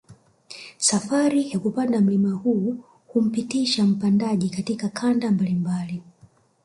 Safari ya kupanda mlima huu humpitisha mpandaji katika kanda mbalimbali